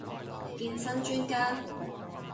健身專家